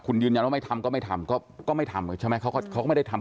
คุณยืนยันว่าไม่ทำก็ไม่ทำก็ไม่ทำใช่ไหมเขาก็เขาก็ไม่ได้ทำ